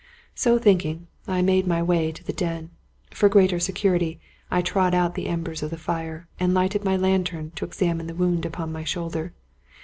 So thinking, I made my way to the den. For greater security, I trod out the embers of the fire, and lighted my lantern to examine the wound upon my shoulder.